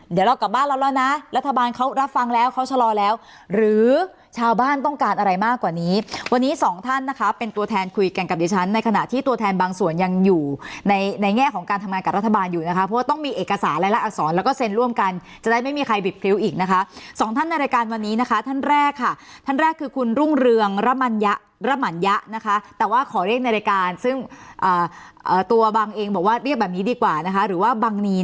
เดี๋ยวเรากลับบ้านแล้วนะรัฐบาลเขารับฟังแล้วเขาชะลอแล้วหรือชาวบ้านต้องการอะไรมากกว่านี้วันนี้สองท่านนะคะเป็นตัวแทนคุยกันกับดิฉันในขณะที่ตัวแทนบางส่วนยังอยู่ในแง่ของการทำงานกับรัฐบาลอยู่นะคะเพราะต้องมีเอกสารและอักษรแล้วก็เซ็นร่วมกันจะได้ไม่มีใครบิบเคี้ยวอีกนะคะสองท่านในรายการวันนี้